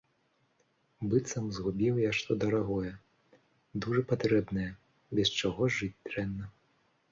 Быццам згубіў я што дарагое, дужа патрэбнае, без чаго жыць дрэнна.